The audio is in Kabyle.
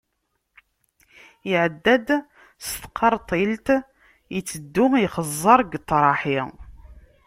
Iɛedda-d s tqerṭilt, iteddu ixeẓẓer deg ṭṭraḥi.